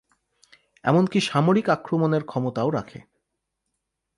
এমনকি সামরিক আক্রমণের ক্ষমতাও রাখে।